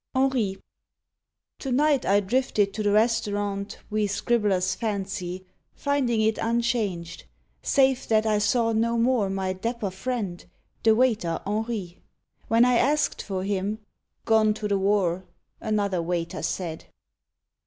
HENRI To night I drifted to the restaurant We scribblers fancy, finding it unchanged, Save that I saw no more my dapper friend, The waiter Henri. When I asked for him, "Gone to the war," another waiter said